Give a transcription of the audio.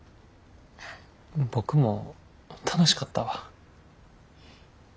僕も楽しかったわ。